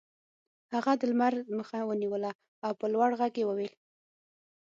هغه د لمر مخه ونیوله او په لوړ غږ یې وویل